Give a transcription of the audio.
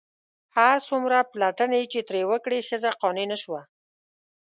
هر څومره پلټنې چې یې ترې وکړې ښځه قانع نه شوه.